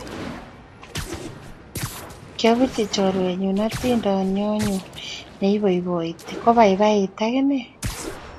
Kapirchi chorwennyu atindyonyu neipoipoiti kopaipait akine